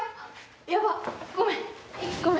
やば、ごめん。